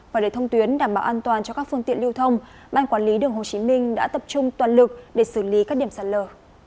và để thông tuyến đảm bảo an toàn cho các phương tiện lưu thông ban quản lý đường hồ chí minh đã tập trung toàn lực để xử lý các điểm sạt lở